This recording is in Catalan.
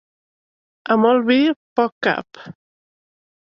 A molt vi, poc cap.